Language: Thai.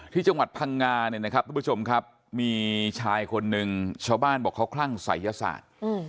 ที่จังหวัดพังงาเนี่ยนะครับทุกผู้ชมครับมีชายคนหนึ่งชาวบ้านบอกเขาคลั่งศัยยศาสตร์